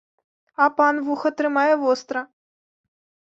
А пан вуха трымае востра!